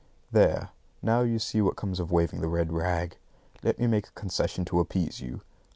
There, now, you see what comes of waving the red rag! Let me make a concession to appease you.